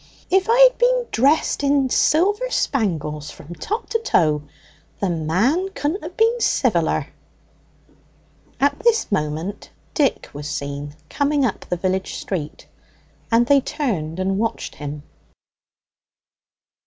If I'd been dressed in silver spangles from top to toe, the man couldn't have been civiller." At this moment Dick was seen coming up the village street, and they turned and watched him.